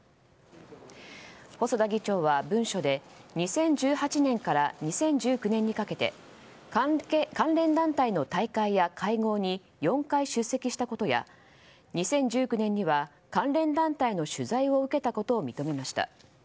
細田議長は文書で２０１８年から２０１９年にかけて関連団体の大会や会合に４回出席したことや２０１９年には関連団体の取材を受けたことを認めました。